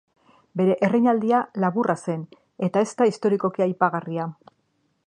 Bere erreinaldia laburra zen eta ez da historikoki aipagarria.